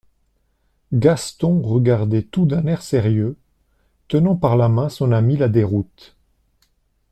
Gaston regardait tout d'un air sérieux, tenant par la main son ami la Déroute.